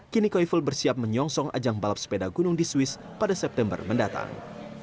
kini koiful bersiap menyongsong ajang balap sepeda gunung di swiss pada september mendatang